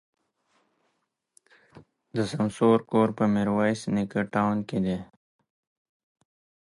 د سمسور کور په ميروایس نیکه تاون کي دی.